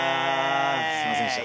すみませんでした。